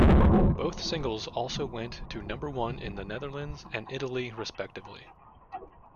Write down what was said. Both singles also went to number one in the Netherlands and Italy, respectively.